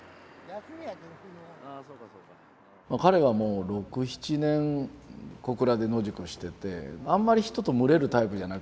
彼はもう６７年ここらで野宿をしててあんまり人と群れるタイプじゃなくって。